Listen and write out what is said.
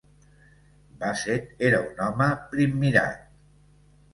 Basset era un home primmirat.